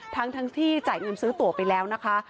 ทั้งที่จ่ายเงินซื้อตัวไปแล้วนะคะ